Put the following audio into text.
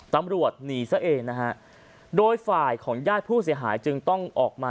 ตำรวจหนีซะเองนะฮะโดยฝ่ายของญาติผู้เสียหายจึงต้องออกมา